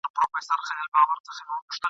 د پېړيو په اوږدو کي